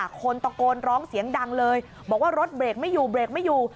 คนตะโกนร้องเสียงดังเลยบอกว่ารถเบรกไม่อยู่